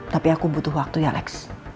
tapi aku butuh waktu ya lex